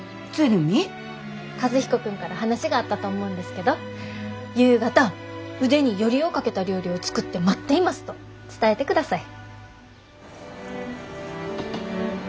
和彦君から話があったと思うんですけど夕方腕によりをかけた料理を作って待っていますと伝えてください。